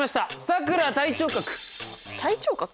さくら隊長角。